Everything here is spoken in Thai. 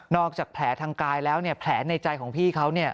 นอกจากแผลทางกายแล้วเนี่ยแผลในใจของพี่เขาเนี่ย